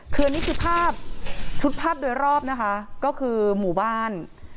คืออันนี้คือภาพชุดภาพโดยรอบนะคะก็คือหมู่บ้าน